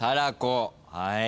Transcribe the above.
はい。